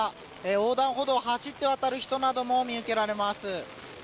横断歩道を走って渡る人なども見受けられます。